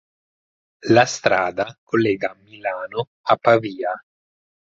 La strada collega Milano a Pavia.